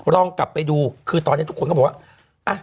ลองกลับไปดูคือตอนนี้ทุกคนก็บอกว่า